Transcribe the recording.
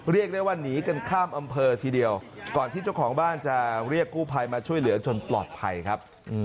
เรียกได้ว่าหนีกันข้ามอำเภอทีเดียวก่อนที่เจ้าของบ้านจะเรียกกู้ภัยมาช่วยเหลือจนปลอดภัยครับ